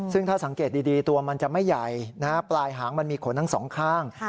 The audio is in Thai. ซึ่งถ้าสังเกตดีตัวมันจะไม่ใหญ่ปลายหางมันมีขนทั้งสองข้าง